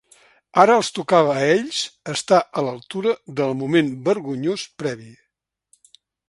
Ara els tocava a ells estar a l'altura del moment vergonyós previ.